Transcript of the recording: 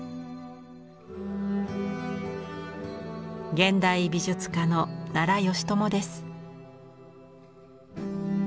現代美術家の奈良美智です。